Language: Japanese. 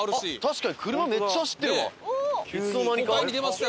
確かに車めっちゃ走ってるわいつの間にか。